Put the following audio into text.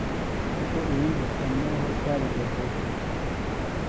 kuko ibindi dusa n’aho twabigezeho